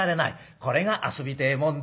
これが遊びてえもんで。